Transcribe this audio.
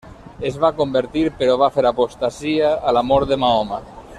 Es va convertir però va fer apostasia a la mort de Mahoma.